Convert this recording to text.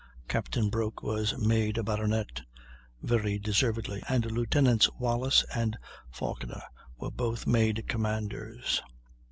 Captain Broke was made a baronet, very deservedly, and Lieutenants Wallis and Falkiner were both made commanders.